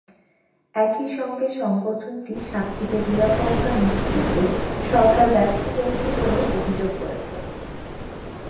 একই সঙ্গে সংগঠনটি সাক্ষীদের নিরাপত্তা নিশ্চিতে সরকার ব্যর্থ হয়েছে বলেও অভিযোগ করেছে।